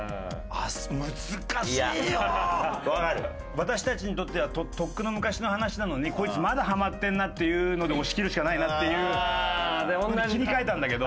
私たちにとってはとっくの昔の話なのにこいつまだハマってるなっていうので押し切るしかないなっていう切り替えたんだけど。